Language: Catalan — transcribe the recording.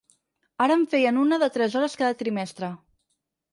Ara en feien una de tres hores cada trimestre.